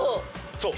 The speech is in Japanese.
そう。